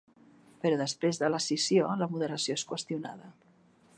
Però després de l'escissió, la moderació és qüestionada.